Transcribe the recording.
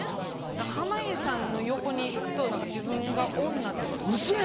だから濱家さんの横に行くと自分が女ってこと気付いちゃう。